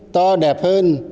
to đẹp hơn